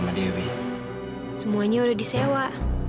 mas kenapa kami cuman hanya medidasanya